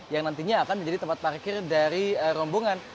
yang nantinya akan menjadi tempat parkir dari rombongan